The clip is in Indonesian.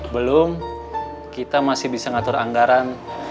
belum kita masih bisa ngatur anggaran